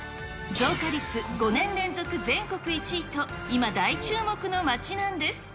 増加率５年連続全国１位と今、大注目の街なんです。